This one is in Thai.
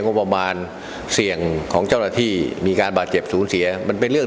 ประมาณเสี่ยงของเจ้าหน้าที่มีการบาดเจ็บศูนย์เสียมันเป็นเรื่อง